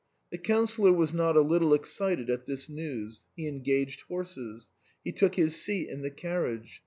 The Councillor was not a little excited at this news ; he engaged horses ; he took his seat in the car riage.